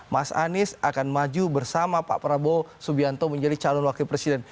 mas anies akan maju bersama pak prabowo subianto menjadi calon wakil presiden